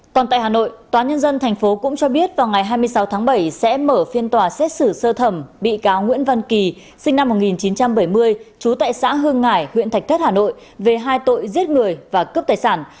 còn tại hà nội tòa nhân dân tp cũng cho biết vào ngày hai mươi sáu tháng bảy sẽ mở phiên tòa xét xử sơ thẩm bị cáo nguyễn văn kỳ sinh năm một nghìn chín trăm bảy mươi chú tại xã hương hải huyện thạch thất hà nội về hai tội giết người và cướp tài sản